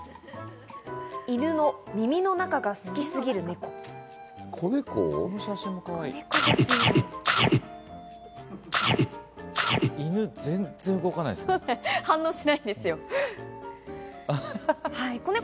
犬の耳の中が好きすぎるネコ。